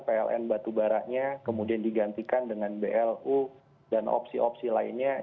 pln batubaranya kemudian digantikan dengan blu dan opsi opsi lainnya